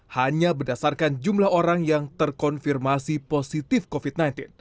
hanya berdasarkan jumlah orang yang terkonfirmasi positif covid sembilan belas